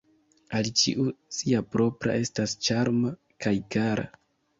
Al ĉiu sia propra estas ĉarma kaj kara.